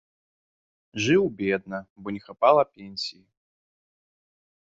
Жыў бедна, бо не хапала пенсіі.